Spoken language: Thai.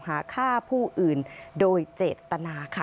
หาฆ่าผู้อื่นโดยเจตนาค่ะ